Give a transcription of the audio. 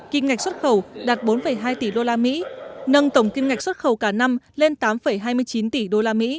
kim ngạch xuất khẩu đạt bốn hai tỷ usd nâng tổng kim ngạch xuất khẩu cả năm lên tám hai mươi chín tỷ usd